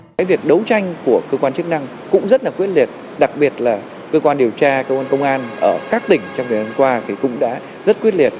các việc đấu tranh của cơ quan chức năng cũng rất quyết liệt đặc biệt là cơ quan điều tra cơ quan công an ở các tỉnh trong thời gian qua cũng đã rất quyết liệt